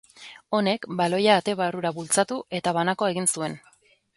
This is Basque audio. Honek baloia ate barrura bultzatu eta banakoa egin zuen.